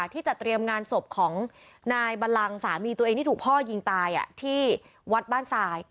ที่จะเตรียมงานศพของนายบัลลังสามีตัวเองที่ถูกพ่อยิงตายที่วัดบ้านทราย